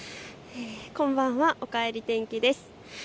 こんばんは、おかえり天気です。